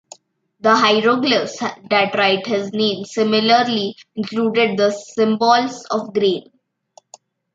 The hieroglyphs that write his name similarly include the symbols of grain.